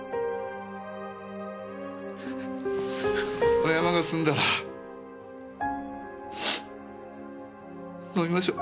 このヤマが済んだら飲みましょう。